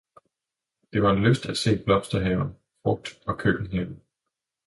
det var en lyst at se blomsterhaven, frugt- og køkkenhaven.